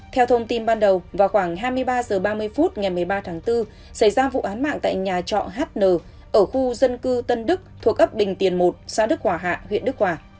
theo thông tin ban đầu vào khoảng hai mươi ba h ba mươi phút ngày một mươi ba tháng bốn xảy ra vụ án mạng tại nhà trọ hn ở khu dân cư tân đức thuộc ấp bình tiền một xã đức hòa hạ huyện đức hòa